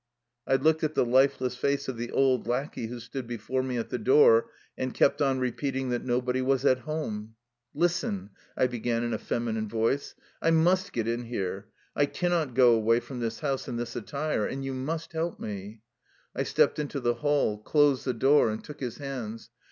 I looked at the lifeless face of the old lackey who stood before me at the door and kept on repeating that nobody was at home. 206 THE LIFE STOKY OF A EUSSIAN EXILE " Listen/' I began in a feminine voice, " I must get in here, I cannot go away from this house in this attire. And you must help me." I stepped into the hall, closed the door, and took his hands.